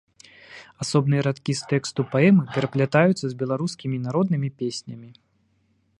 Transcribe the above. Асобныя радкі з тэксту паэмы пераплятаюцца з беларускімі народнымі песнямі.